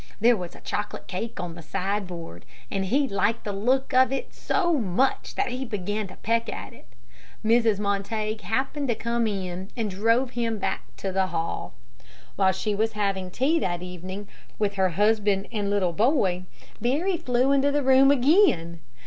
There was a chocolate cake on the sideboard, and he liked the look of it so much that he began to peck at it. Mrs. Montague happened to come in, and drove him back to the hall. While she was having tea that evening, with her husband and little boy, Barry flew into the room again.